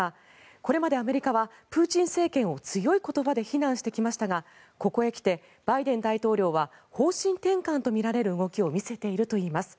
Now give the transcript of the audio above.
これまでアメリカはプーチン政権を強い言葉で非難してきましたがここへきてバイデン大統領は方針転換とみられる動きを見せているといいます。